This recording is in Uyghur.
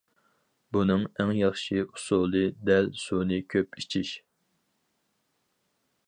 بۇنىڭ ئەڭ ياخشى ئۇسۇلى دەل سۇنى كۆپ ئىچىش.